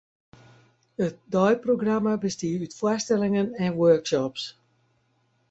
It deiprogramma bestie út foarstellingen en workshops.